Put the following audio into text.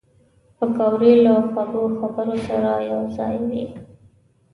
پکورې له خوږو خبرو سره یوځای وي